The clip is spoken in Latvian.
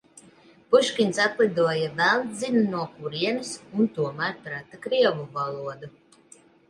Puškins atlidoja velns zina no kurienes un tomēr prata krievu valodu.